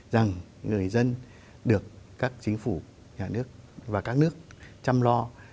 rằng người dân được các chính phủ nhà nước và các nước chăm lo